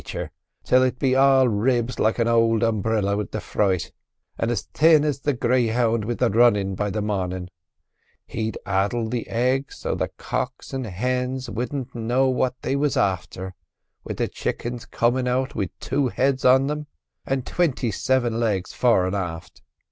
—till it'd be all ribs like an ould umbrilla with the fright, an' as thin as a greyhound with the runnin' by the marnin; he'd addle the eggs so the cocks an' hens wouldn't know what they wis afther wid the chickens comin' out wid two heads on them, an' twinty seven legs fore and aft.